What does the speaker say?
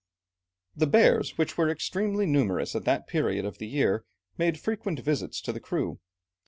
] The bears, which were extremely numerous at that period of the year, made frequent visits to the crew.